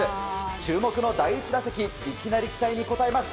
注目の第１打席いきなり期待に応えます。